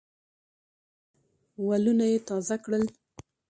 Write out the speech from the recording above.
ولونه یې تازه کړل.